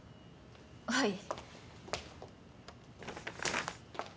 はい。